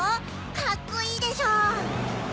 かっこいいでしょ。